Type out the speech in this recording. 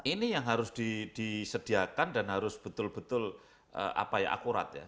ini yang harus disediakan dan harus betul betul akurat ya